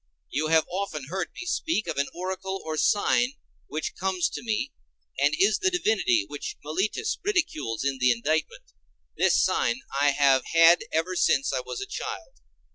You have often heard me speak of an oracle or sign which comes to me, and is the divinity which Meletus ridicules in the indictment. This sign I have had ever since I was a child.